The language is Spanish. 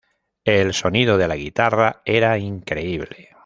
El sonido de la guitarra era increíble.